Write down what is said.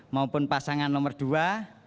maupun pasangan nomor dua